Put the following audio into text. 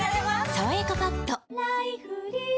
「さわやかパッド」菊池）